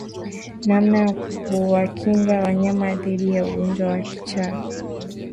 Namna ya kuwakinga wanyama dhidi ya ugonjwa wa kichaa